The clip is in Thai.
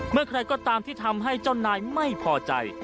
เมื่อใครก็ตามที่ทำให้เจ้านายไม่พอใจ